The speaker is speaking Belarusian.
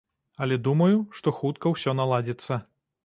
Але думаю, што хутка ўсё наладзіцца.